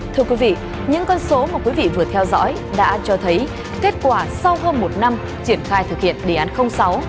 thưa quý vị những con số mà quý vị vừa theo dõi đã cho thấy kết quả sau hơn một năm triển khai thực hiện đề án sáu